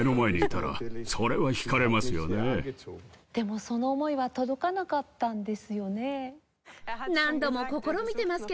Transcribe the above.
でもその思いは届かなかったんですよね？